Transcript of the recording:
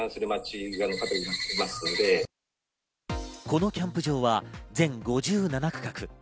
このキャンプ場は全５７区画。